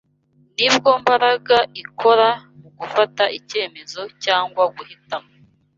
ni bwo mbaraga ikora mu gufata icyemezo, cyangwa guhitamo